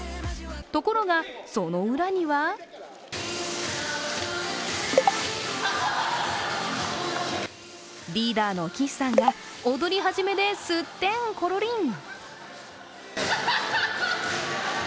ところがその裏にはリーダーの岸さんが踊り始めですってんころりん。